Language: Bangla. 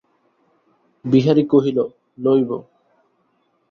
বিহারী কহিল, লইব।